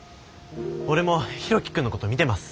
俺も博喜くんのこと見てます。